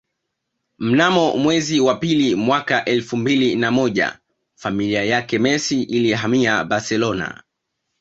Mnamo mwezi wa pili mwaka elfu mbili na moja familia yake Messi ilihamia Barcelona